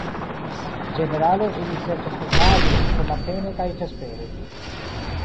Ĝenerale ili serĉas nutraĵojn frumatene kaj vespere.